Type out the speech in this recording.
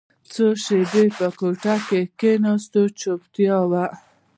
څو شېبې په کوټه کښې چوپتيا وه.